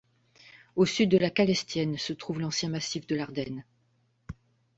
Au sud de la Calestienne, se trouve l'ancien massif de l'Ardenne.